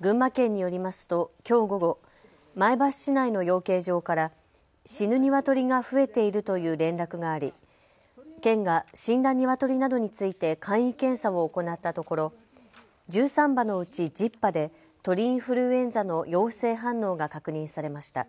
群馬県によりますときょう午後、前橋市内の養鶏場から死ぬニワトリが増えているという連絡があり県が死んだニワトリなどについて簡易検査を行ったところ１３羽のうち１０羽で鳥インフルエンザの陽性反応が確認されました。